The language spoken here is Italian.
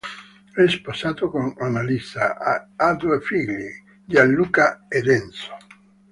È sposato con Annalisa e ha due figli: Gianluca ed Enzo.